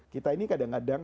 kita ini kadang kadang